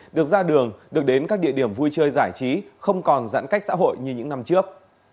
được ra đường được đến các địa điểm vui chơi giải trí không còn giãn cách xã hội như những năm trước